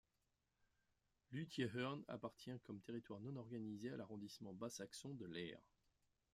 Lütje Hörn appartient comme territoire non-organisé à l'arrondissement bas-saxon de Leer.